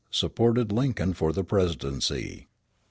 Supported Lincoln for the Presidency.